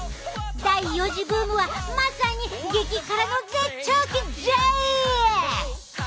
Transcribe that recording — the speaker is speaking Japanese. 第４次ブームはまさに激辛の絶頂期じゃい！